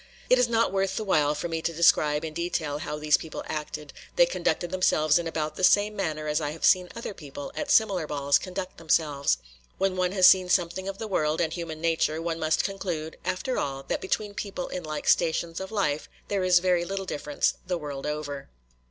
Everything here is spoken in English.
It is not worth the while for me to describe in detail how these people acted; they conducted themselves in about the same manner as I have seen other people at similar balls conduct themselves. When one has seen something of the world and human nature, one must conclude, after all, that between people in like stations of life there is very little difference the world over.